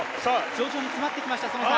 徐々に詰まってきました、その差。